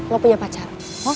lo punya pacar